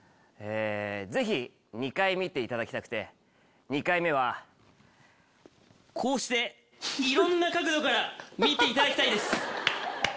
ぜひ２回見ていただきたくて２回目はこうしていろんな角度から見ていただきたいです。